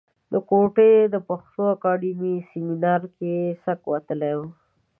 د کوټې د پښتو اکاډمۍ سیمنار کې یې سک وتلی و.